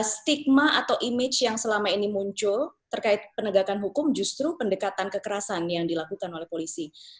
stigma atau image yang selama ini muncul terkait penegakan hukum justru pendekatan kekerasan yang dilakukan oleh polisi